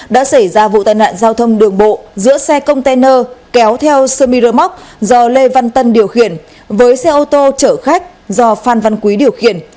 đã xảy ra vụ tai nạn giao thông đường bộ giữa xe container kéo theo semi remote do lê văn tân điều khiển với xe ô tô chở khách do phan văn quý điều khiển